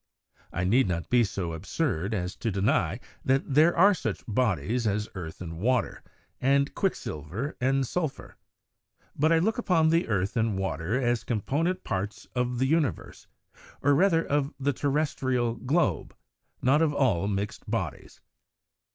I need not be so absurd, as to deny, that there are such bodies as earth and water, and quicksilver and sulphur: but I look upon earth and water, as component parts of the universe, or rather of the terrestrial globe, not of all mixt bodies."